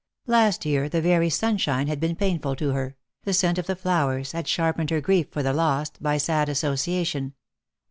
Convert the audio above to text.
Last year, the very sunshine had been painful to her, the scent of the flowers had sharpened her grief for the lost, by sad association.